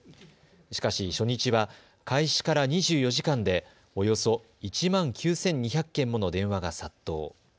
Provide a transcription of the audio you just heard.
しかし初日は開始から２４時間でおよそ１万９２００件もの電話が殺到。